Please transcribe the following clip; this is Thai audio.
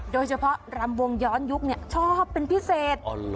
โดยเฉพาะลำวงย้อนยุคชอบเป็นพิเศษ